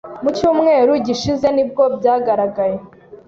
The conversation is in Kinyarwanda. Mu cyumweru gishize nibwo byagaragaye